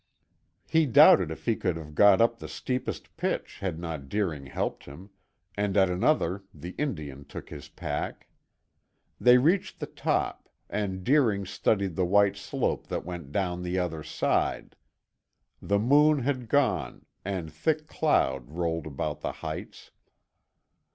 He doubted if he could have got up the steepest pitch had not Deering helped him, and at another the Indian took his pack. They reached the top, and Deering studied the white slope that went down the other side. The moon had gone and thick cloud rolled about the heights.